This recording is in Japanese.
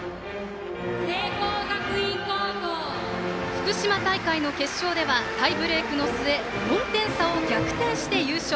福島大会の決勝ではタイブレークの末４点差を逆転して優勝。